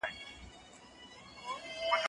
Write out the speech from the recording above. درسونه د ښوونکو له خوا ښوول کيږي